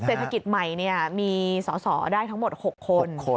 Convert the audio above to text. เศรษฐกิจใหม่มีสอสอได้ทั้งหมด๖คน